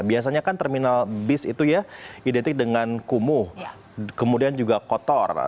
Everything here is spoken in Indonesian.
biasanya kan terminal bis itu ya identik dengan kumuh kemudian juga kotor